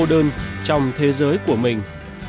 cô đơn trong thế giới của mình